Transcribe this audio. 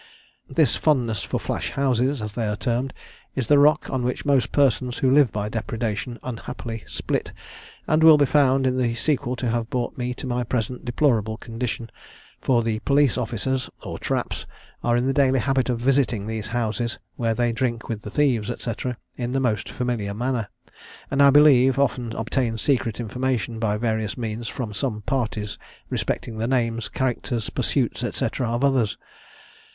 This fondness for flash houses, as they are termed, is the rock on which most persons who live by depredation unhappily split, and will be found in the sequel to have brought me to my present deplorable condition; for the police officers, or traps, are in the daily habit of visiting these houses, where they drink with the thieves, &c., in the most familiar manner; and, I believe, often obtain secret information by various means from some parties respecting the names, characters, pursuits, &c., of others.